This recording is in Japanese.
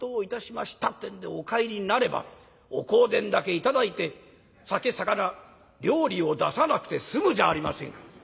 ってんでお帰りになればお香典だけ頂いて酒さかな料理を出さなくて済むじゃありませんか」。